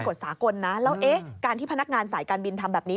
หลังจากเป็นกฎสากลนะแล้วเอ๊ะที่พนักงานสายการบินทำแบบนี้